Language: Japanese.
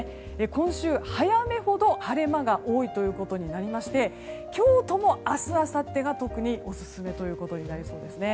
今週早めほど晴れ間が多いことになりまして京都も明日、あさってが特にオススメとなりそうです。